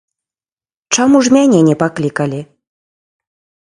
Чаму ж мяне не паклікалі?